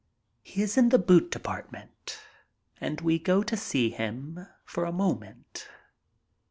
He is in the boot department, and we go to see him for a moment.